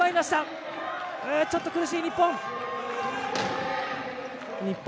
ちょっと苦しい日本。